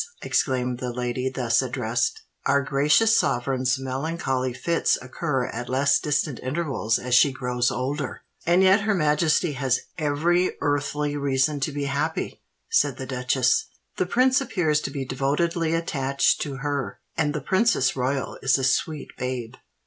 exclaimed the lady thus addressed, "our gracious sovereign's melancholy fits occur at less distant intervals as she grows older." "And yet her Majesty has every earthly reason to be happy," said the duchess. "The Prince appears to be devotedly attached to her; and the Princess Royal is a sweet babe."